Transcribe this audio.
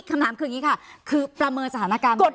คำถามคือเงี้ยค่ะคือประเมิดสถานการณ์